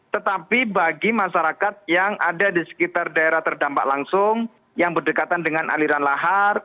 tetapi bagi masyarakat yang ada di sekitar daerah terdampak langsung yang berdekatan dengan aliran lahar